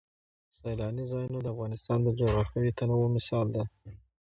سیلانی ځایونه د افغانستان د جغرافیوي تنوع مثال دی.